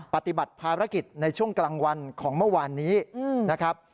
ปฏิบัติภารกิจในช่วงกลางวันของเมื่อวานนี้นะครับ